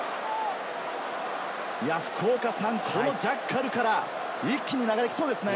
このジャッカルから一気に流れがきそうですね。